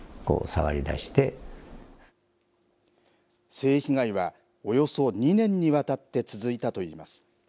性被害はおよそ２年にわたって続いたといいます。